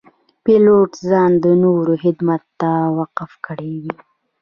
پیلوټ ځان د نورو خدمت ته وقف کړی وي.